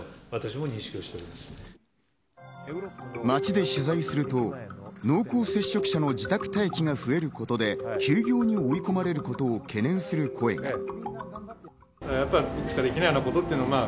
街で取材すると濃厚接触者の自宅待機が増えることで、休業に追い込まれることを懸念する声が。